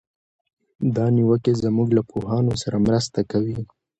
دا نیوکې زموږ له پوهانو سره مرسته کوي.